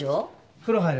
風呂入る。